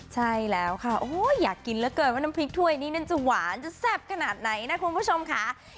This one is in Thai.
ใช่แล้วค่ะอยากกินเหลือเกินว่าน้ำพริกถ้วยนี้นั้นจะหวานจะแซ่บขนาดไหนนะคุณผู้ชมค่ะ